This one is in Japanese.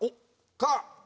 「か」。